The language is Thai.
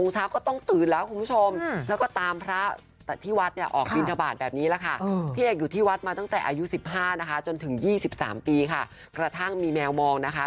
จนถึง๑๓ปีค่ะกระทั่งมีแมวมองนะคะ